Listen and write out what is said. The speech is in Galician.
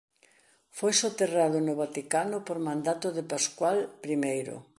Foi soterrado no Vaticano por mandato de Pascual I.